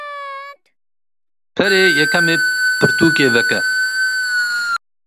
Perê yekem ê pertûkê veke.